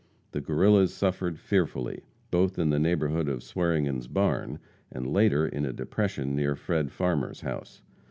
The Guerrillas suffered fearfully, both in the neighborhood of Swearingen's barn, and later in a depression near Fred. Farmer's house.